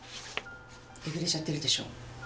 えぐれちゃってるでしょ？